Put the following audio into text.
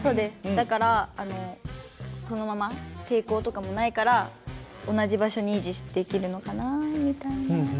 だからあのそのまま抵抗とかもないから同じ場所に維持できるのかなみたいな。